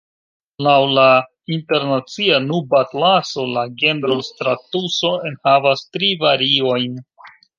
Laŭ la Internacia Nubatlaso, la genro stratuso enhavas tri variojn.